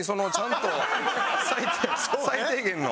最低限の。